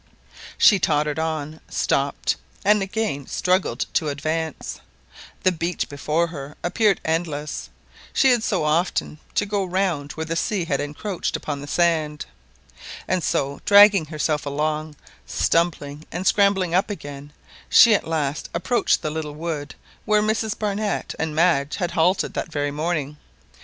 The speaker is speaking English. She tottered on, stopped, and again struggled to advance; the beach before her appeared endless, she had so often to go round where the sea had encroached upon the sand. And so dragging herself along, stumbling and scrambling up again, she at last approached the little wood where Mrs. Barnett and Madge had halted that very morning.